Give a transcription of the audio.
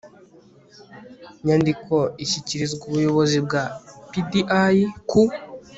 nyandiko ishyikirizwa Ubuyobozi bwa PDI ku